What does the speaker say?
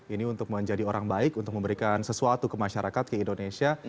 ini untuk menjadi orang baik untuk memberikan sesuatu ke masyarakat ke indonesia